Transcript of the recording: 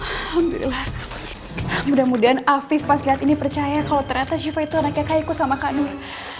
alhamdulillah mudah mudahan afif pas liat ini percaya kalau ternyata siva itu anak kakakiku sama kak nur